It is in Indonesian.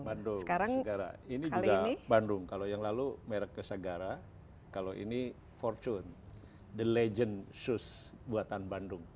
bandung ini juga bandung kalau yang lalu merek kesegara kalau ini fortune the legend shoes buatan bandung